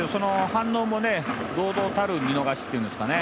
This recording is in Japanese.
反応も堂々たる見逃しっていうんですかね。